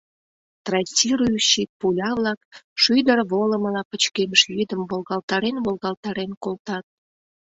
Трассирующий пуля-влак шӱдыр волымыла пычкемыш йӱдым волгалтарен-волгалтарен колтат.